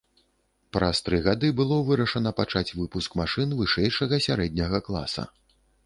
Праз тры гады было вырашана пачаць выпуск машын вышэйшага сярэдняга класа.